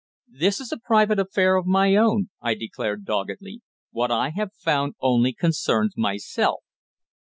"This is a private affair of my own," I declared doggedly. "What I have found only concerns myself."